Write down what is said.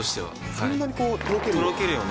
そんなにとろけるような？